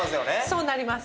そうなります。